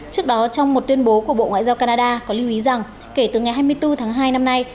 trước đó trong một tuyên bố của bộ ngoại giao canada có lưu ý rằng kể từ ngày hai mươi bốn tháng hai năm nay